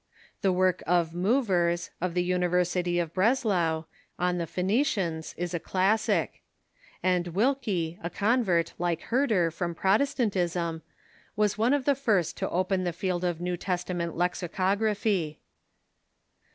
The Avork of 3Iovers, of the University of Breslau, on the Phoenicians, is a classic ; and Wilke, a convert — like Hurter — from Protestantism, Avas one of the first to open the field of New Testament lexicography.